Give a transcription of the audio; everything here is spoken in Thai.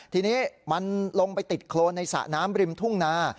ทีนี้มันลงไปติดโครนในสระน้ำริมทุ่งนา